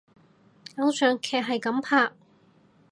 偶像劇係噉拍！